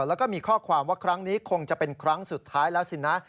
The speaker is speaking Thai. แล้วก็มีข้อความว่าครั้งนี้คงจะเป็นครั้งสุดท้ายแล้วสินะ